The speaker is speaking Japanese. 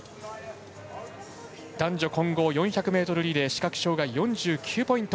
男女混合４００ｍリレー視覚障がい４９ポイント。